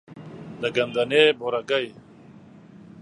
د ګندنې بورګی،